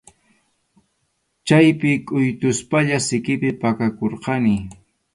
Chaypi kʼuytuspalla sikipi pakakurqani.